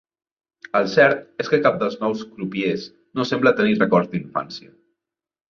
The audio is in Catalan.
El cert és que cap dels nous crupiers no sembla tenir records d'infància.